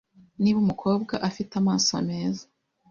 Niba umukobwa afite amaso meza